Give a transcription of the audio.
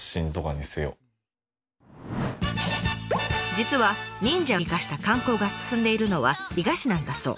実は忍者を生かした観光が進んでいるのは伊賀市なんだそう。